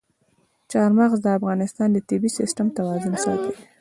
چار مغز د افغانستان د طبعي سیسټم توازن ساتي.